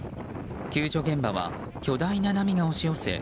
救助現場は巨大な波が押し寄せ